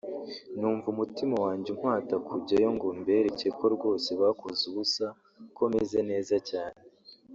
numva umutima wanjye umpata kujyayo ngo mbereke ko rwose bakoze ubusa ko meze neza cyane